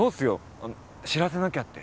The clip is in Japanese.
あの知らせなきゃって。